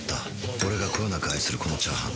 俺がこよなく愛するこのチャーハン